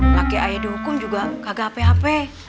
laki ayah dihukum juga kagak apa apa